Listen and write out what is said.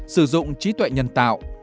sử dụng trí tuệ nhân tạo